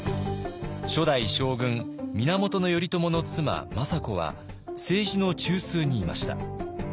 初代将軍源頼朝の妻政子は政治の中枢にいました。